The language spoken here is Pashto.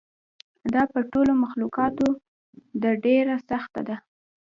دا په ټولو مخلوقاتو ده ډېره سخته ده.